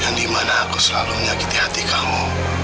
yang dimana aku selalu menyakiti hati kamu